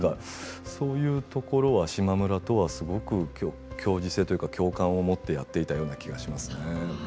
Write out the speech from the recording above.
そういうところは島村とはすごく共時性というか共感を持ってやっていたような気がしますね。